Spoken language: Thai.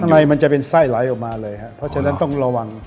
ในมันจะเป็นไส้ไหลออกมาเลยครับเพราะฉะนั้นต้องระวัง